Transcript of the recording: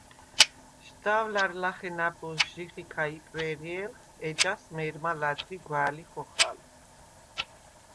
შდავლა̈რ ლახე ნა̈ბოზს ჟიხიქა იპვე̄რჲე̄ლხ, ეჯას მე̄რმა ლა̈დღი გვა̄̈ლი ხოხალ.